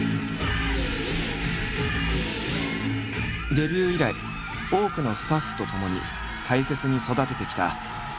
デビュー以来多くのスタッフとともに大切に育ててきたきゃりーぱみゅぱみ